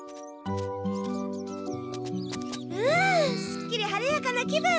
すっきり晴れやかな気分！